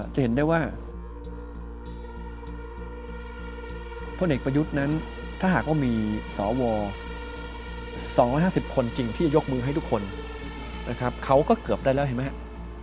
จะเห็นได้ว่าพลเอกประยุทธ์นั้นถ้าหากว่ามีสว๒๕๐คนจริงที่จะยกมือให้ทุกคนนะครับเขาก็เกือบได้แล้วเห็นไหมครับ